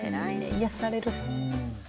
癒やされる。